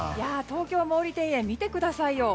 東京・毛利庭園見てくださいよ。